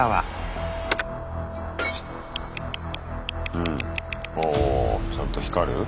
うんおおおちゃんと光る？